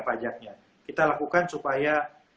pajaknya kita lakukan supaya